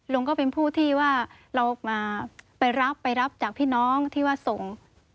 ลุงก็เป็นผู้ที่ว่าเราไปรับไปรับจากพี่น้องที่ว่าส่ง